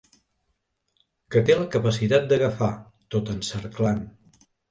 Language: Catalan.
Que té la capacitat d'agafar, tot encerclant.